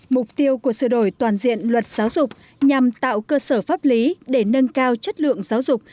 mục tiêu của sửa đổi toàn diện luật giáo dục nhằm tạo cơ sở pháp lý để nâng cao chất lượng giáo dục